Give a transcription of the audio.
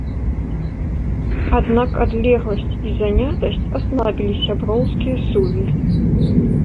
Аднак адлегласць і занятасць аслабілі сяброўскія сувязі.